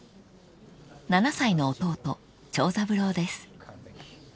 ［７歳の弟長三郎です］